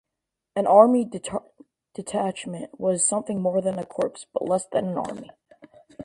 An army detachment was something more than a corps but less than an army.